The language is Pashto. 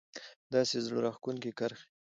داسې زړه راښکونکې کرښې